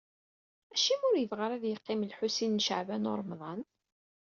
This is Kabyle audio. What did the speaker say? Acimi ur yebɣi ara ad yeqqim Lḥusin n Caɛban u Ṛemḍan?